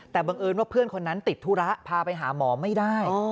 แต่บังเอิญว่าเพื่อนคนนั้นติดธุระพาไปหาหมอไม่ได้